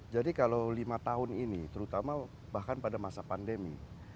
kalau lima tahun ini terutama bahkan pada masa pandemi